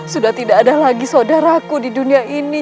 sudah tidak ada lagi saudaraku di dunia ini